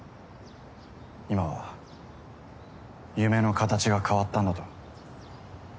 今は夢の形が変わったんだと。